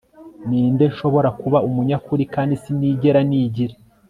ninde nshobora kuba umunyakuri kandi sinigera nigira